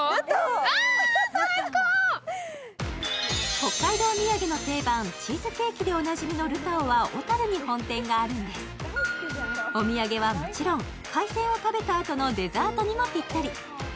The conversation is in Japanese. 北海道土産の定番、チーズケーキでおなじみのルタオは、小樽に本店があるんですお土産はもちろん、海鮮を食べたあとのデザートにもぴったり。